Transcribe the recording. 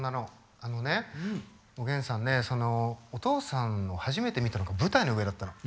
あのねおげんさんねお父さんを初めて見たのが舞台の上だったの。